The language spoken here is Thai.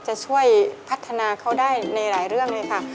จะช่วยพัฒนาเขาได้ในหลายเรื่องเลยค่ะ